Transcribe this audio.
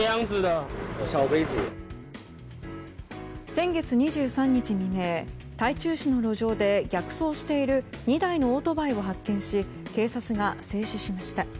先月２３日未明台中市の路上で逆走している２台のオートバイを発見し警察が制止しました。